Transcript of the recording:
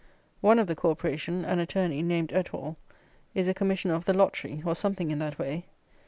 One of the Corporation, an Attorney, named Etwall, is a Commissioner of the Lottery, or something in that way.